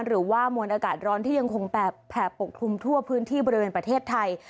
หรือว่ามวลอากาศร้อนที่ยังคงแผ่ปกคลุมทั่วพื้นที่บริเวณประเทศไทย